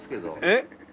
えっ？